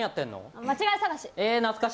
間違い探し。